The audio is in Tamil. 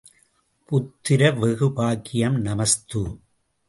புத்திரவெகு பாக்கியம் நமஸ்து.